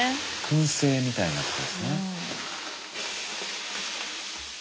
くん製みたいなことですね。